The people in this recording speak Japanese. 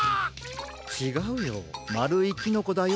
ちがうよまるいキノコだよ。